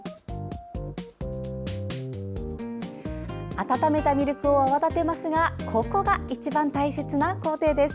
温めたミルクを泡立てますがここが一番大切な工程です。